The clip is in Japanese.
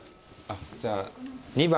じゃあ２番。